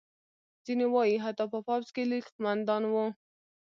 ځینې وایي حتی په پوځ کې لوی قوماندان وو.